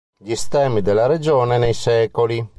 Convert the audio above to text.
Gli stemmi della regione nei secoli.